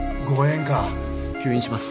吸引します。